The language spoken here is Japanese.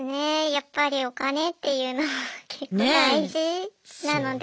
やっぱりお金っていうのは結構大事なので。